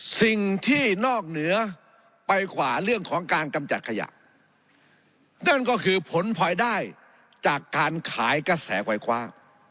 สิ่งที่นอกเหนือไปกว่าเรื่องของการกำจัดขยะนั่นก็คือผลพลอยได้จากการขายกระแสไฟคว้า